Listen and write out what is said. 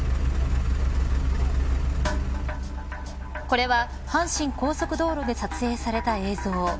これは阪神高速道路で撮影された映像。